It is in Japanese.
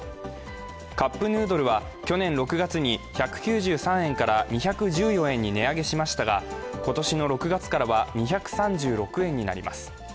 カップヌードルは去年６月に１９３円から２１４円に値上げしましたが今年の６月からは２３６円になります。